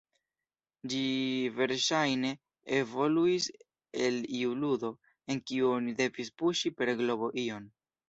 Ĝi verŝajne evoluis el iu ludo, en kiu oni devis puŝi per globo ion.